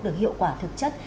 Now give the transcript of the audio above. được hiệu quả thực chất